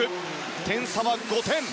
点差は５点。